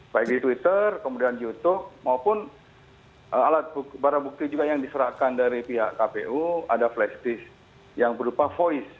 baik di twitter kemudian youtube maupun alat barang bukti juga yang diserahkan dari pihak kpu ada flash disk yang berupa voice